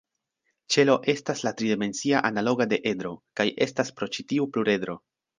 Ĉelo estas la tri-dimensia analoga de edro, kaj estas pro ĉi tio pluredro.